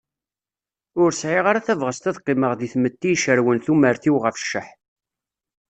Ur sɛiɣ ara tabɣest ad qqimeɣ deg tmetti icerwen tumert-iw ɣef cceḥ.